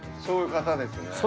そういう方ですね。